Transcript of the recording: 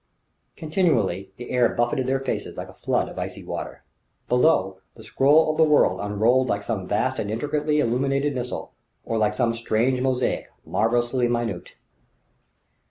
Continually the air buffeted their faces like a flood of icy water. Below, the scroll of the world unrolled like some vast and intricately illuminated missal, or like some strange mosaic, marvellously minute....